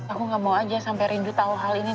aku gak mau aja sampai rindu tahu hal ini